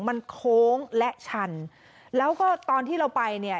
มันโค้งและชันแล้วก็ตอนที่เราไปเนี่ย